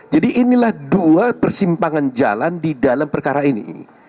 jadi inilah dua persimpangan jalan di dalam perkara ini